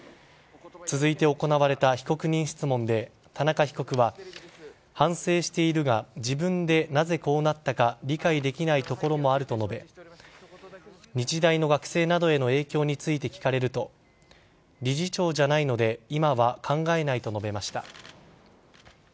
続いて行われた被告人質問で田中被告は、反省しているが自分でなぜこうなったか理解できないところもあると述べ日大の学生などへの影響について聞かれると理事長じゃないので今は考えないと述べました。